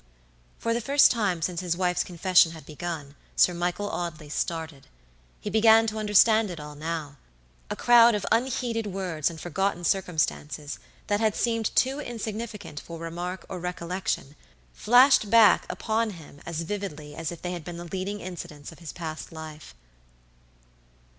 For the first time since his wife's confession had begun, Sir Michael Audley started. He began to understand it all now. A crowd of unheeded words and forgotten circumstances that had seemed too insignificant for remark or recollection, flashed back upon him as vividly as if they had been the leading incidents of his past life.